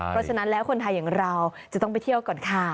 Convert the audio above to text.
เพราะฉะนั้นแล้วคนไทยอย่างเราจะต้องไปเที่ยวก่อนค่ะ